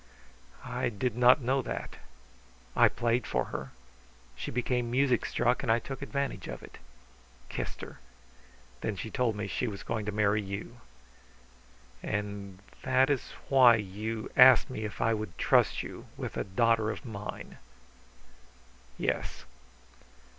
"I did not know that. I played for her. She became music struck, and I took advantage of it kissed her. Then she told me she was going to marry you." "And that is why you asked me if I would trust you with a daughter of mine?" "Yes."